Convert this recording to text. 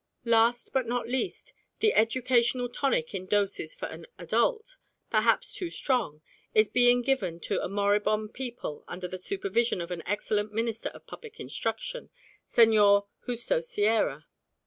Last but not least, the educational tonic in doses for an adult, perhaps too strong, is being given to a moribund people under the supervision of an excellent Minister of Public Instruction, Señor Justo Sierra.